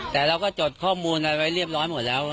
แต่เราก็จดข้อมูลอะไรไว้เรียบร้อยหมดแล้ว